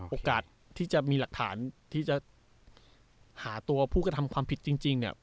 โอกาสที่จะมีหลักฐานที่จะหาตัวผู้กระทำความผิดจริงเนี่ย